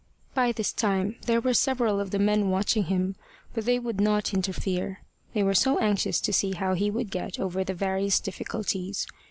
By this time there were several of the men watching him, but they would not interfere, they were so anxious to see how he would get over the various difficulties.